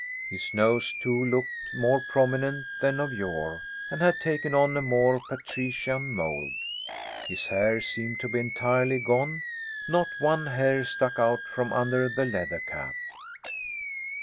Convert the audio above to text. His nose, too, looked more prominent than of yore and had taken on a more patrician mold. His hair seemed to be entirely gone; not one hair stuck out from under the leather cap.